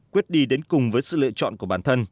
quyết đi đến cùng với sự lựa chọn của bản thân